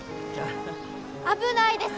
危ないです！